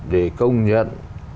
để công nhận